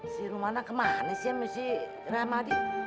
si rumana kemana sih si ramadi